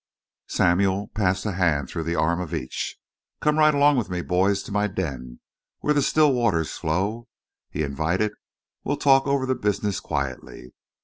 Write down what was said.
Samuel passed a hand through the arm of each. "Come right along with me, boys, to my den, where the still waters flow," he invited. "We'll talk over the business quietly.